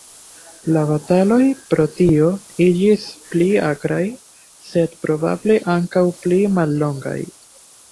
La bataloj pro tio iĝis pli akraj, sed probable ankaŭ pli mallongaj.